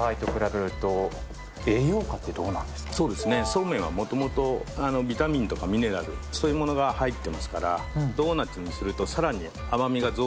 そうめんはもともとビタミンとかミネラルそういうものが入ってますからドーナツにするとさらに甘みが増幅すると思いますね。